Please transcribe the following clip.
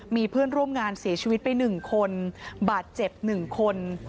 มีเพื่อนร่วมงานเสียชีวิตไป๑คนบาดเจ็บ๑คน